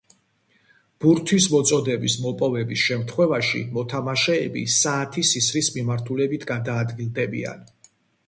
ბურთის მოწოდების მოპოვების შემთხვევაში მოთამაშეები საათის ისრის მიმართულებით გადაადგილდებიან.